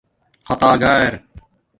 خاطاگار